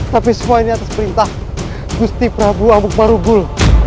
tapi semua ini atas perintah gusti prabu amuk marugul